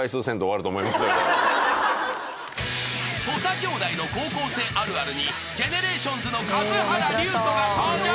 ［土佐兄弟の高校生あるあるにＧＥＮＥＲＡＴＩＯＮＳの数原龍友が登場］